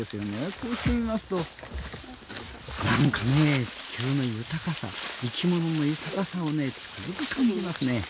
こうして見ますと何かね、地球の豊かさ生き物の豊かさをつくづく感じますね。